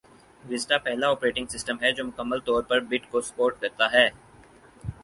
vista پہلا operating system ہے جو مکمل طور پر بٹ کو سپورٹ کرتا ہے